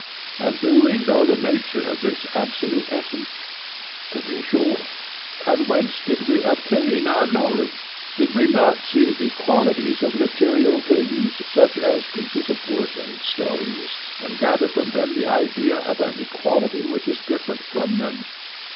And do we know the nature of this absolute essence? To be sure, he said. And whence did we obtain our knowledge? Did we not see equalities of material things, such as pieces of wood and stones, and gather from them the idea of an equality which is different from them?